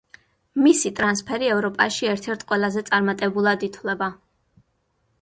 მისი ტრანსფერი ევროპაში ერთ–ერთ ყველაზე წარმატებულად ითვლება.